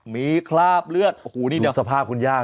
มีคราบเลือดโอ้โหนี่เดี๋ยวสภาพคุณย่า